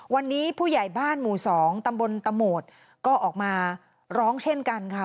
วันนี้ผู้ใหญ่บ้านหมู่๒ตำบลตะโหมดก็ออกมาร้องเช่นกันค่ะ